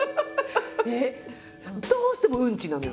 どうしてもウンチなのよ。